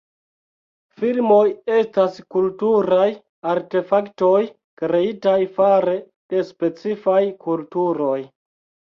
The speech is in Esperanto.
Filmoj estas kulturaj artefaktoj kreitaj fare de specifaj kulturoj.